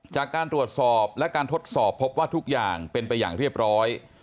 จากการตรวจสอบและการทดสอบพบว่าทุกอย่างเป็นไปอย่างเรียบร้อย